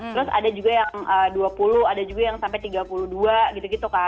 terus ada juga yang dua puluh ada juga yang sampai tiga puluh dua gitu gitu kan